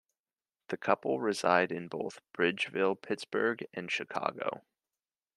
The couple reside in both Bridgeville, Pittsburgh and Chicago.